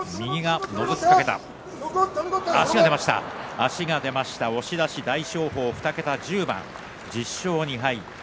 足が出ました押し出し大翔鵬、２桁、１０勝２敗。